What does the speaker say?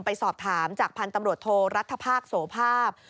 ไปสอบถามจากภาร์ดการตำรวจโทรฤทธิ์ภาคสวภาพ